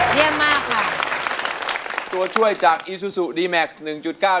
เยี่ยมมากค่ะตัวช่วยจากอีซูซูดีแม็กซ์หนึ่งจุดเก้า